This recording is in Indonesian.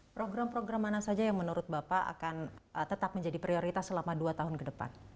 program program mana saja yang menurut bapak akan tetap menjadi prioritas selama dua tahun ke depan